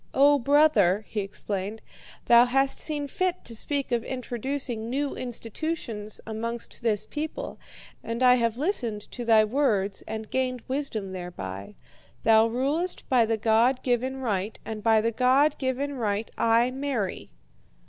"'O brother,' he explained, 'thou hast seen fit to speak of introducing new institutions amongst this people, and I have listened to thy words and gained wisdom thereby. Thou rulest by the God given right, and by the God given right I marry.'